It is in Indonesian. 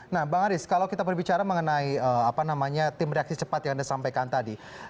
nah bang aris kalau kita berbicara mengenai tim reaksi cepat yang anda sampaikan tadi